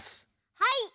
はい！